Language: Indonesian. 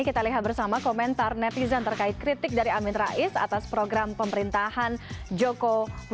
kita lihat bersama komentar netizen terkait kritik dari amin rais atas program pemerintahan joko widodo